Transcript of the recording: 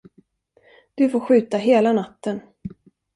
Du får skjuta hela natten.